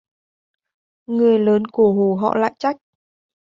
Người lớn cổ hủ họ lại trách